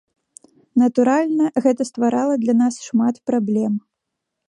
Натуральна, гэта стварала для нас шмат праблем.